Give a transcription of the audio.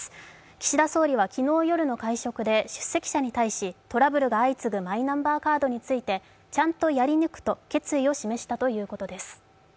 岸田総理は昨日夜の会食で出席者に対しトラブルが相次ぐマイナンバーカードについてちゃんとやり抜くと決意を示したということです。